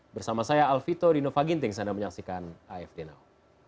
bersama saya alfito rinova ginting saya ada menyaksikan afd now